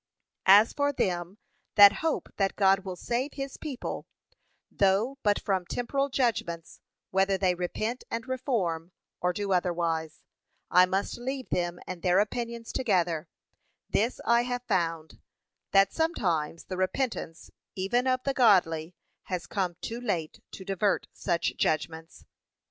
As for them that hope that God will save his people, though but from temporal judgments, whether they repent and reform, or do otherwise, I must leave them and their opinions together: this I have found, that sometimes the repentance, even of the godly, has come too late to divert such judgments.